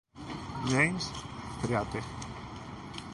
James Theatre.